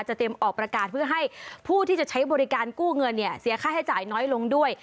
เตรียมออกประกาศเพื่อให้ผู้ที่จะใช้บริการกู้เงินเนี่ยเสียค่าใช้จ่ายน้อยลงด้วย